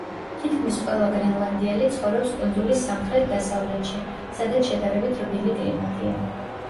თითქმის ყველა გრენლანდიელი ცხოვრობს კუნძულის სამხრეთ-დასავლეთში, სადაც შედარებით რბილი კლიმატია.